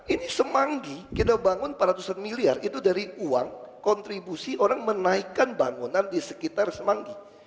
ini semanggi kita bangun empat ratus an miliar itu dari uang kontribusi orang menaikkan bangunan di sekitar semanggi